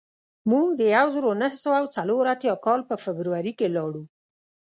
موږ د یو زرو نهه سوه څلور اتیا کال په فبروري کې لاړو